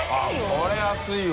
これ安いわ。